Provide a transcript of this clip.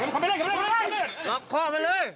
นั่งข้อมันเลยนั่งข้อมัน